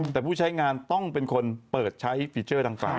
แต่ผู้ใช้งานต้องเป็นคนเปิดใช้ฟีเจอร์ทางฝั่ง